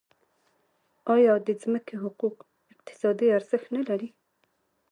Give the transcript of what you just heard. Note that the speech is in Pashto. آیا د ځمکې حقوق اقتصادي ارزښت نلري؟